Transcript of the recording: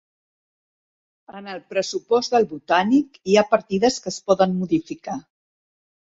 En el pressupost del Botànic hi ha partides que es poden modificar.